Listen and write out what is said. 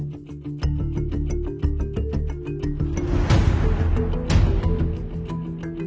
เฉพาะเธอจะได้แจกต่อเพราะจะไม่อะไรกันเลย